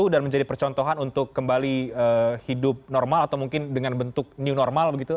dan menjadi percontohan untuk kembali hidup normal atau mungkin dengan bentuk new normal begitu